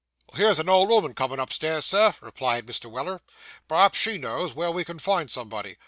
'Here's an old 'ooman comin' upstairs, sir,' replied Mr. Weller; 'p'raps she knows where we can find somebody.